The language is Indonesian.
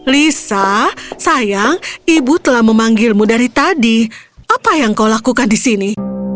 lisa sayang ibu telah memanggilmu dari tadi apa yang kau lakukan di sini